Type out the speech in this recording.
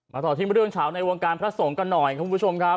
ต่อที่เรื่องเฉาในวงการพระสงฆ์กันหน่อยคุณผู้ชมครับ